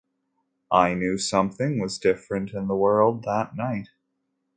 I knew something was different in the world that night.